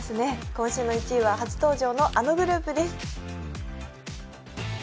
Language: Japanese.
今週の１位は初登場のあのグループです。